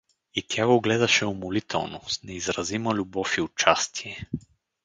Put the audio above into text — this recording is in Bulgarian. И тя го гледаше умолително, с неизразима любов и участие.